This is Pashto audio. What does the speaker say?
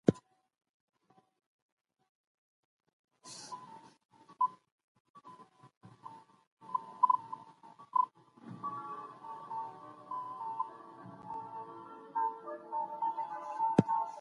چي منطقي تمه دا وه چي بهرنۍ مداخلې او تر